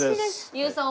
優さん